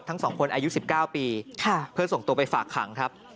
ทั้งสองคนอายุ๑๙ปีเพื่อส่งตัวไปฝากขังครับ